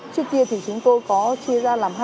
trước kia chúng tôi có chia ra làm hai khu